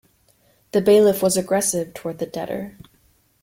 The bailiff was aggressive toward the debtor.